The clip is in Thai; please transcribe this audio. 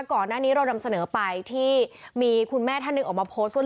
ก่อนหน้านี้เรานำเสนอไปที่มีคุณแม่ท่านหนึ่งออกมาโพสต์ว่า